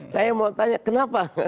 saya mau tanya kenapa